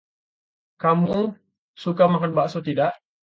Kamu suka makan bakso, tidak?